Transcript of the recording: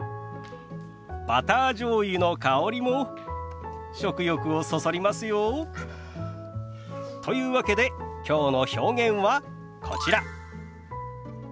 バターじょうゆの香りも食欲をそそりますよ。というわけできょうの表現はこちら。